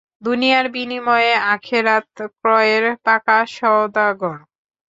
দুনিয়ার বিনিময়ে আখেরাত ক্রয়ের পাকা সওদাগর।